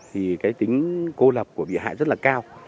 thì cái tính cô lập của bị hại rất là cao